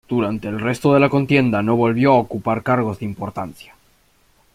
Durante el resto de la contienda no volvió a ocupar cargos de importancia.